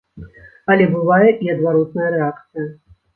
Але бывае і адваротная рэакцыя.